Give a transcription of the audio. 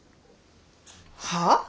はあ？